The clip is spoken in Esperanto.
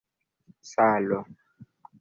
salo